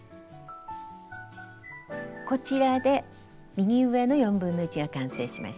こちらで右上の1/4が完成しました。